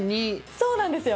そうなんですよ。